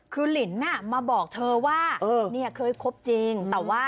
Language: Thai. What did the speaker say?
คือลินมาบอกเธอว่าเนี่ยเคยคบจริงแต่ว่า